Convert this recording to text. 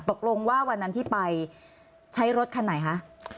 ตกลงว่าวันนั้นที่ไปใช้รถคันไหนคะ